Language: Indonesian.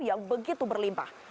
yang begitu berlimpah